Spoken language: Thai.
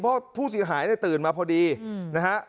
เพราะผู้สิ่งหายในตื่นมาพอดีอืมนะฮะ